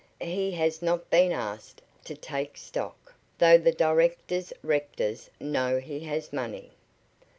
He has not been asked to take stock, though the directors rectors know he has money."